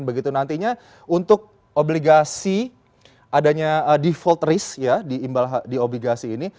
begitu nantinya untuk obligasi adanya default risk ya di obligasi ini